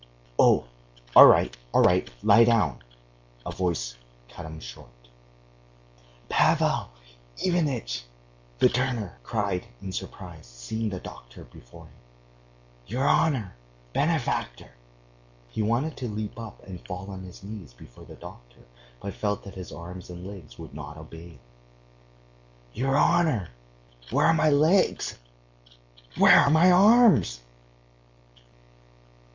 "Oh, all right, all right; lie down," a voice cut him short. "Pavel Ivanitch!" the turner cried in surprise, seeing the doctor before him. "Your honor, benefactor!" He wanted to leap up and fall on his knees before the doctor, but felt that his arms and legs would not obey him. "Your honor, where are my legs, where are my arms!"